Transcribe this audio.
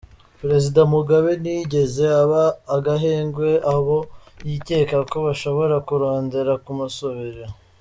Perezida Mugabe ntiyigeze aha agahengwe abo yikeka ko bashbora kurondera kumusubirira.